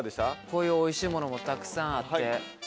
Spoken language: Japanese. こういうおいしいものもたくさんあって。